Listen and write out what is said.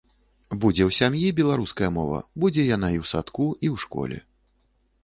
Будзе ў сям'і беларуская мова, будзе яна і ў садку, і ў школе.